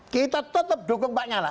kita tetap dukung pak nyala